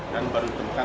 dan baru ditemukan tadi